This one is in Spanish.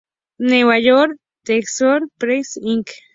New York:The Scarecrow Press, Inc.